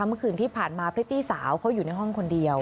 เมื่อคืนที่ผ่านมาพริตตี้สาวเขาอยู่ในห้องคนเดียว